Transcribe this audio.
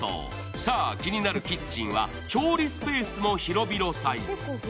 さあ、気になるキッチンは調理スペースも広々サイズ。